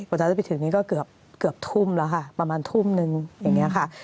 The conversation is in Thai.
กว่าจะได้ไปถึงนี้ก็เกือบทุ่มแล้วค่ะประมาณทุ่มนึงอย่างนี้ค่ะ